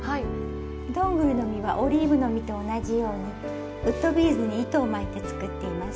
どんぐりの実はオリーブの実と同じようにウッドビーズに糸を巻いて作っています。